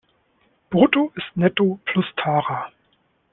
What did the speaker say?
Brutto ist Netto plus Tara.